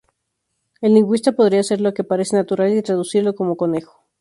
El lingüista podría hacer lo que parece natural y traducirlo como "conejo".